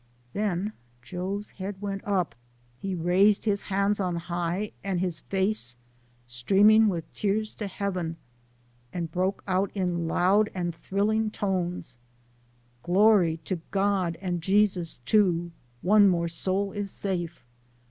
Then Joe's head went up, he raised his hands on high, and his face, streaming with tears, to heaven, and broke out in loud and thrill ing tones: " Glory to God and Jesus too, One more soul is safe